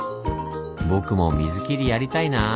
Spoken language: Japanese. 僕も水切りやりたいな。